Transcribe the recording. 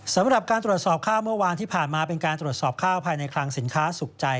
สำหรับการตรวจสอบข้าวเมื่อวานที่ผ่านมาเป็นการตรวจสอบข้าวภายในคลังสินค้าสุขใจ